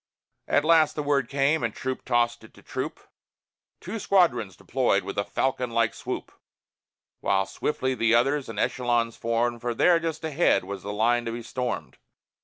At last the word came, and troop tossed it to troop; Two squadrons deployed with a falcon like swoop; While swiftly the others in echelons formed, For there, just ahead, was the line to be stormed.